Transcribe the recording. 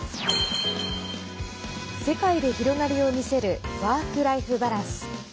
世界で広がりを見せるワークライフバランス。